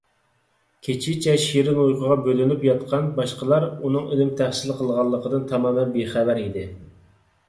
كېچىچە شېرىن ئۇيقۇغا بۆلىنىپ ياتقان باشقىلار ئۇنىڭ ئىلىم تەھسىل قىلغانلىقىدىن تامامەن بىخەۋەر ئىدى.